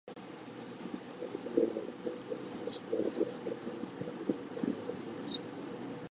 犬どもはううとうなってしばらく室の中をくるくる廻っていましたが、